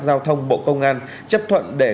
giao thông bộ công an chấp thuận để